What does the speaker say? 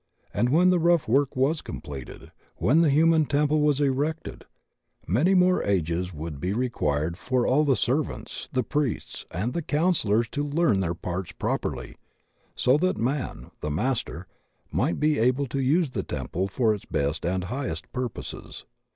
And when the rough work was completed, when the human temple was erected, many more ages would be required for all the servants, the priests, and the counsellors to learn their parts properly so that man, the Master, might be able to use the temple for its best and highest purposes.